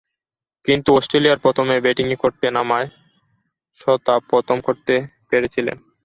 কিন্তু অস্ট্রেলিয়ার প্রথমে ব্যাটিংয়ে করতে নামায় শ তা প্রথম করতে পেরেছিলেন।